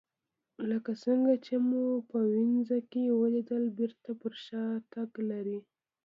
لکه څنګه مو چې په وینز کې ولیدل بېرته پر شا تګ لري